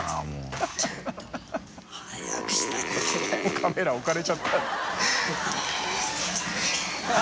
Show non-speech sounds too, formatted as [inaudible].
カメラ置かれちゃった [laughs]